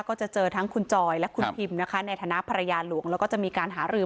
ก็จะเจอทั้งคุณจอยและคุณพิมนะคะในฐานะภรรยาหลวงแล้วก็จะมีการหารือ